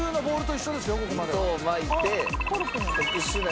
「糸を巻いて」